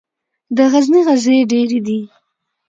د غزني غزې ډیرې دي